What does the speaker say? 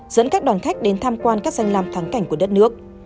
dẫn các đoàn khách đến tham quan các danh làm tháng cảnh của đất nước